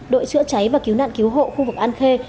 đội chữa cháy và cứu nạn cứu hộ khu vực an khê